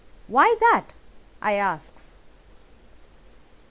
"'Why that?' I asks.